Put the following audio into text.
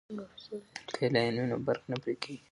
که لین وي نو برق نه پرې کیږي.